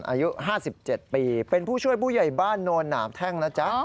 อายุ๕๗ปีเป็นผู้ช่วยผู้ใหญ่บ้านโนนหนามแท่งนะจ๊ะ